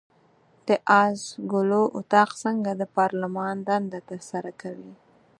د آس ګلو اطاق څنګه د پارلمان دنده ترسره کوي؟